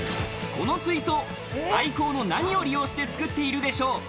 この水槽、廃校の何を利用して作ってるでしょう？